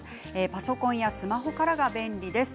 パソコンやスマホからが便利です。